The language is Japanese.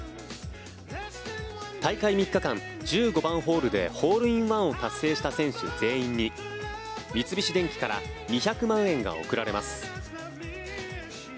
大会３日間１５番ホールでホールインワンを達成した選手全員に三菱電機から２００万円が贈られます。